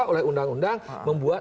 oleh undang undang membuat